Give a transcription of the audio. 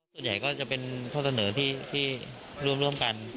ส่วนใหญ่ก็จะเป็นข้อเสนอที่ร่วมกัน